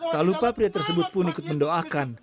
tak lupa pria tersebut pun ikut mendoakan